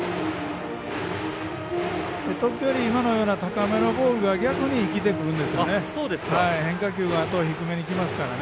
時折、高めのボールが逆に生きてくるんですよね。